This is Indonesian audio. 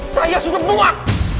saya sudah muak